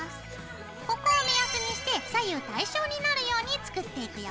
ここを目安にして左右対称になるように作っていくよ。